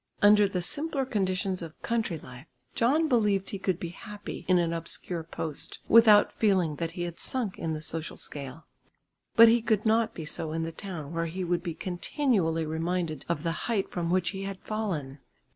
Under the simpler conditions of country life John believed he could be happy in an obscure post, without feeling that he had sunk in the social scale. But he could not be so in the town where he would be continually reminded of the height from which he had fallen.